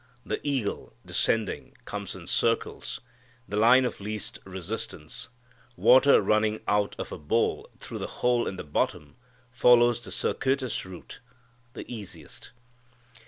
The eagle, descending, comes in circles, the line of least resistance. Water running out of a bowl through the hole in the bottom follows the circuitous route the easiest.